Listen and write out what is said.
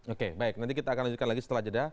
oke baik nanti kita akan lanjutkan lagi setelah jeda